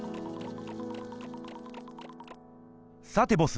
さてボス